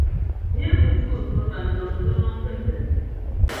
Nira bi juuri firila n-zaŋdi bin liŋa m-pindi li.